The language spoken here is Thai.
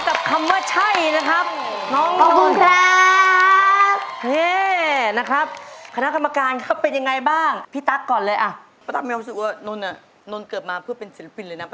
ฮักอายชอบมาจนแย่ส่อยให้เป็นรักแท้สู่เรา